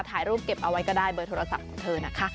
ถ่ายรูปเก็บเอาไว้ก็ได้เบอร์โทรศัพท์ของเธอนะคะ